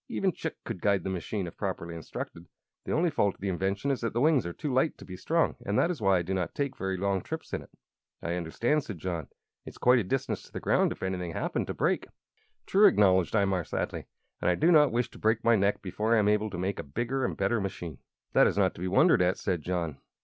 "Even Chick could guide the machine, if properly instructed. The only fault of the invention is that the wings are too light to be strong, and that is why I do not take very long trips in it." "I understand," answered John. "It's quite a distance to the ground, if anything happened to break." "True," acknowledged Imar, sadly; "and I do not wish to break my neck before I am able to make a bigger and better machine." "That is not to be wondered at," said John.